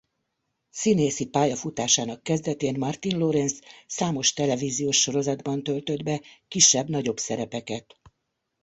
Színészi pályafutásának kezdetén Martin Lawrence számos televíziós sorozatban töltött be kisebb-nagyobb szerepeket.